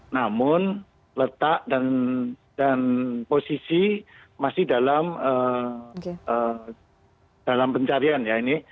namun letak dan posisi masih dalam pencarian ya ini